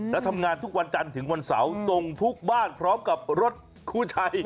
แล้วทำงานทุกวันจันทร์ถึงวันเสาร์ส่งทุกบ้านพร้อมกับรถคู่ใจ